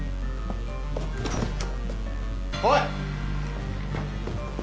おい！